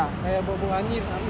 kayak bau bau anjir